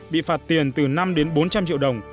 bị phạt tiền từ năm đến bốn trăm linh triệu đồng